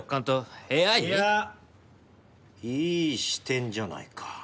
いやいい視点じゃないか。